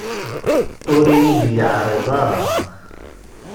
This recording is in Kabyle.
Ur yi-d-yeɛriḍ ara.